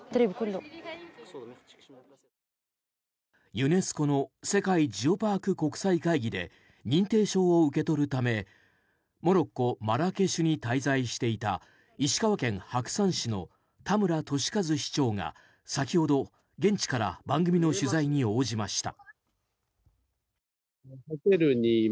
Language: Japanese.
ユネスコの世界ジオパーク国際会議で認定証を受け取るためモロッコ・マラケシュに滞在していた石川県白山市の田村敏和市長が先ほど、現地から番組の取材に応じました。